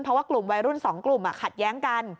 เพราะว่ากลุ่มวัยรุ่น๒กลุ่มขัดแย้งกัน